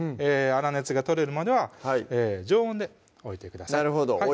粗熱が取れるまでは常温で置いてください